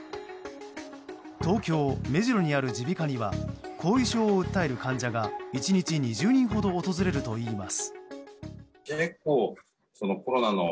東京・目白にある耳鼻科には後遺症を訴える患者が１日２０人ほど訪れるといいます。